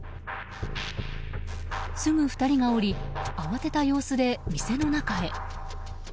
すぐ２人が降り慌てた様子で店の中へ。